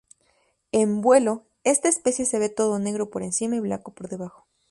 En vuelo esta especie se ve todo negro por encima y blanco por debajo.